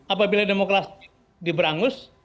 apabila demokrasi diberangus